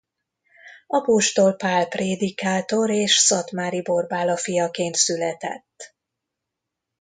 Apostol Pál prédikátor és Szathmáry Borbála fiaként született.